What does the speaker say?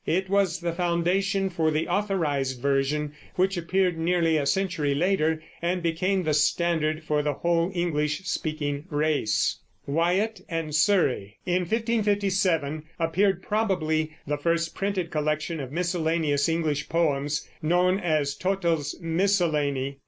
It was the foundation for the Authorized Version, which appeared nearly a century later and became the standard for the whole English speaking race. WYATT AND SURREY. In 1557 appeared probably the first printed collection of miscellaneous English poems, known as Tottel's Miscellany.